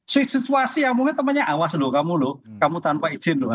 situasi yang mungkin temannya awas loh kamu loh kamu tanpa izin loh